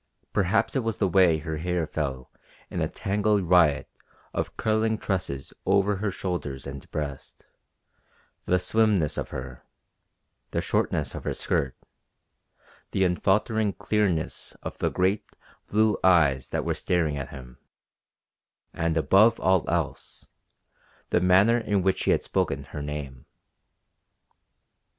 Perhaps it was the way her hair fell in a tangled riot of curling tresses over her shoulders and breast; the slimness of her; the shortness of her skirt; the unfaltering clearness of the great, blue eyes that were staring at him; and, above all else, the manner in which she had spoken her name.